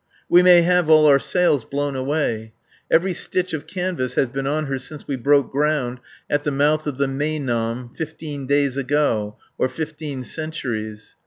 We may have all our sails blown away. Every stitch of canvas has been on her since we broke ground at the mouth of the Mei nam, fifteen days ago ... or fifteen centuries.